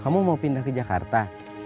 kamu mau pindah ke jakarta